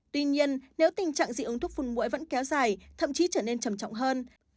tuy nhiên nếu tình trạng dị ứng thuốc phun mũi vẫn kéo dài thậm chí trở nên trầm trọng hơn